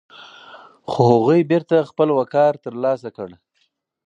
خو هغوی بېرته خپل وقار ترلاسه کړ.